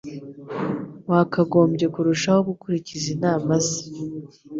Wakagombye kurushaho gukurikiza inama ze